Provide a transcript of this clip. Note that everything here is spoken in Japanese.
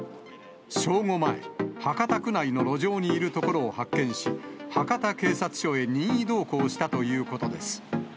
正午前、博多区内の路上にいるところを発見し、博多警察署へ任意同行したということです。